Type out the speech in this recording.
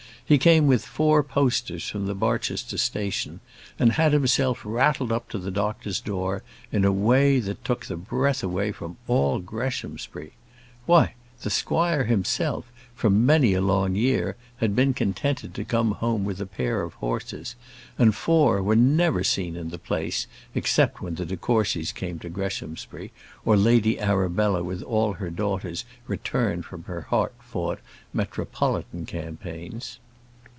He came with four posters from the Barchester Station, and had himself rattled up to the doctor's door in a way that took the breath away from all Greshamsbury. Why! the squire himself for a many long year had been contented to come home with a pair of horses; and four were never seen in the place, except when the de Courcys came to Greshamsbury, or Lady Arabella with all her daughters returned from her hard fought metropolitan campaigns.